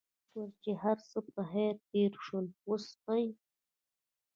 شکر چې هرڅه پخير تېر شول، اوس ښه يې؟